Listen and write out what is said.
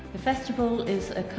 liên hoan sáng tạo